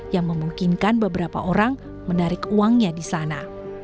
yang memungkinkan beberapa orang menarik uangnya di sana